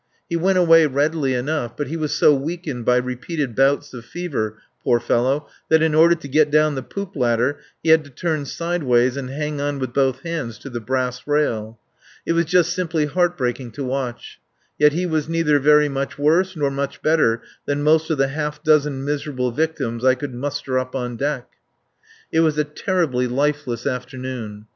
He went away readily enough, but he was so weakened by repeated bouts of fever, poor fellow, that in order to get down the poop ladder he had to turn sideways and hang on with both hands to the brass rail. It was just simply heart breaking to watch. Yet he was neither very much worse nor much better than most of the half dozen miserable victims I could muster up on deck. It was a terribly lifeless afternoon.